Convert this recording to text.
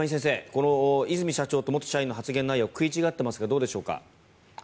この和泉社長と元社員の内容食い違っていますけどどうでしょうか？